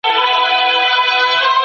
روښانه ذهن د ستونزو په حل کي مرسته کوي.